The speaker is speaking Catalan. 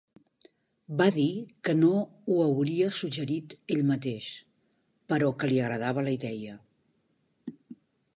Va dir que no ho hauria suggerit ell mateix, però que li agradava la idea.